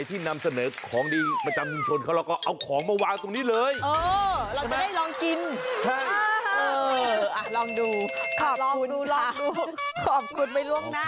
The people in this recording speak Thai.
มีรายได้รวยเยอะจ้า